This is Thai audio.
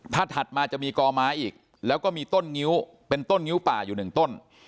ถ้าถัดมาจะมีกอไม้อีกแล้วก็มีต้นงิ้วเป็นต้นงิ้วป่าอยู่หนึ่งต้น